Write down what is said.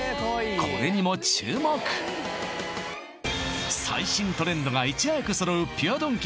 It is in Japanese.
これにも注目最新トレンドがいち早く揃うピュアドンキ